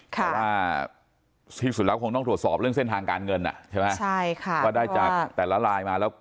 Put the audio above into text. แต่ว่าที่สุดแล้วคงต้องทดสอบเรื่องเส้นทางการเงินอ่ะใช่ไหม